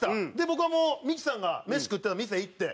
僕はミキさんが飯食ってた店行って。